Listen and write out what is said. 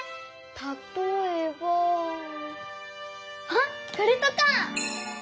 たとえばあっこれとか！